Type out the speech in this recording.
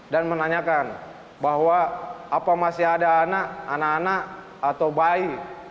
dan menanyakan bahwa apa masih ada anak anak atau bayi